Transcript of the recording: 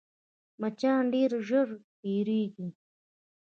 مچان ډېر ژر ډېرېږي